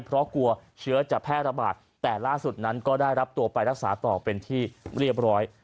เพราะกลัวเชื้อจะแพร่ระบาดแต่ล่าสุดนั้นก็ได้รับตัวไปรักษาต่อเป็นที่เรียบร้อย